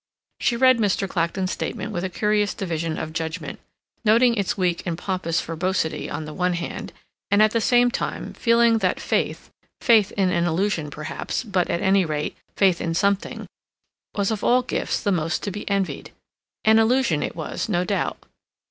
She read Mr. Clacton's statement with a curious division of judgment, noting its weak and pompous verbosity on the one hand, and, at the same time, feeling that faith, faith in an illusion, perhaps, but, at any rate, faith in something, was of all gifts the most to be envied. An illusion it was, no doubt.